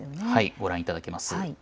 ご覧いただけます。